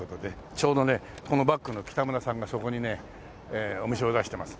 ちょうどねこのバッグのキタムラさんがそこにねお店を出してます。